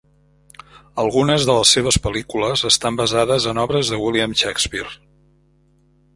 Algunes de les seves pel·lícules estan basades en obres de William Shakespeare.